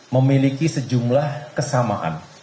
memiliki sejumlah kesamaan